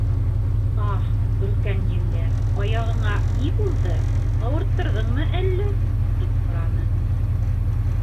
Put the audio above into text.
— Аһ, өлкән еңгә, аяғыңа ни булды, ауырттырҙыңмы әллә? — тип һораны.